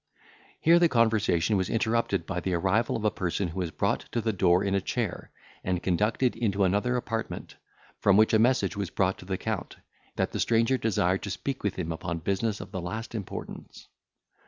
Here the conversation was interrupted by the arrival of a person who was brought to the door in a chair, and conducted into another apartment, from which a message was brought to the Count, importing, that the stranger desired to speak with him upon business of the last importance.